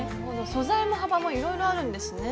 素材も幅もいろいろあるんですね。